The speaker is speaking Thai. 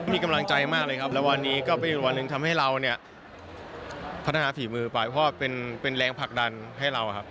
มีกำลังใจมากเลยครับแล้ววันนี้ก็เป็นวันหนึ่งทำให้เราเนี่ยพัฒนาฝีมือไปเพราะว่าเป็นแรงผลักดันให้เราครับ